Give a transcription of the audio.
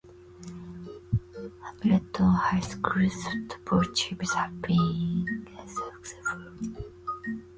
Hamilton High School's football teams have been consistently successful.